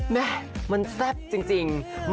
แม่มันแซ่บจริง